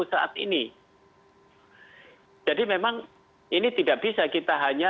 jadi memang ini tidak bisa kita hanya mendengar dari pihak pihak yang yang katakanlah terbatas